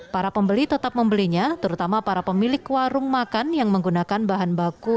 para pembeli tetap membelinya terutama para pemilik warung makan yang menggunakan bahan baku